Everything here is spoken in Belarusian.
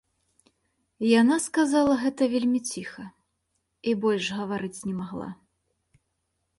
Яна сказала гэта вельмі ціха і больш гаварыць не магла.